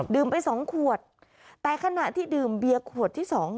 ไปสองขวดแต่ขณะที่ดื่มเบียร์ขวดที่สอง